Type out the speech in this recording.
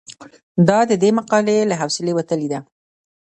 دا د دې مقالې له حوصلې وتلې ده.